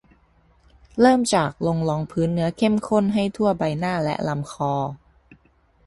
เริ่มจากลงรองพื้นเนื้อเข้มข้นให้ทั่วใบหน้า และลำคอ